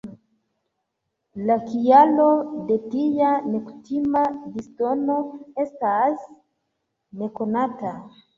La kialo de tia nekutima disdono estas nekonata.